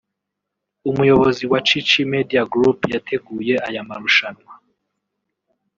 Umuyobozi wa Chichi media Group yateguye aya marushanwa